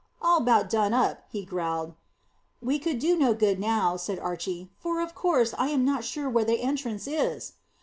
"All 'bout done up," he growled. "We could do no good now," said Archy, "for of course I am not sure where the entrance is."